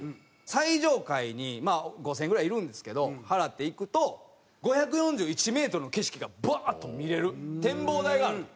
最上階にまあ５０００円ぐらいいるんですけど払って行くと５４１メートルの景色がブワーッと見れる展望台があると。